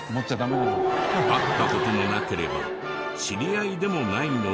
会った事もなければ知り合いでもないのに。